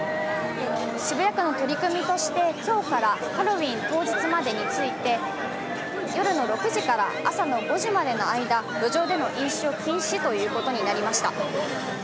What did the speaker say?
渋谷区の取り組みとして今日からハロウィーン当日までについて夜の６時から朝の５時までの間路上での飲酒を禁止ということになりました。